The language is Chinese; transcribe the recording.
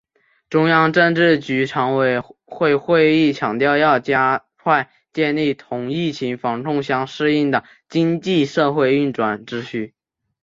中央政治局常委会会议强调要加快建立同疫情防控相适应的经济社会运行秩序